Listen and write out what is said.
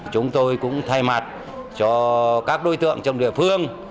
chúng tôi cũng thay mặt cho các đối tượng trong địa phương